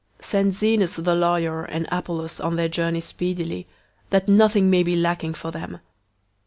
003:013 Send Zenas, the lawyer, and Apollos on their journey speedily, that nothing may be lacking for them.